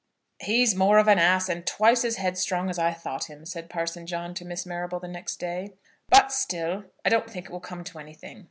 "He's more of an ass, and twice as headstrong as I thought him," said Parson John to Miss Marrable the next day; "but still I don't think it will come to anything.